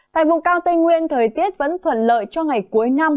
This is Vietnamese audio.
tại vùng cao tây nguyên thời tiết vẫn thuận lợi cho ngày cuối năm